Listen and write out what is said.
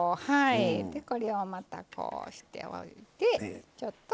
これをまたこうしておいてちょっとこれを。